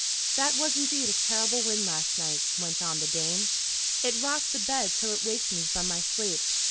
"That was indeed a terrible wind last night," went on the dame. "It rocked the bed till it waked me from my sleep.